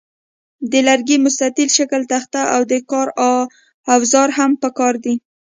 د لرګي مستطیل شکله تخته او د کار اوزار هم پکار دي.